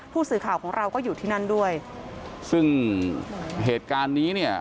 ผู้สื่อข่าวของเราก็อยู่ที่นั่นด้วยซึ่งเหตุการณ์นี้เนี่ย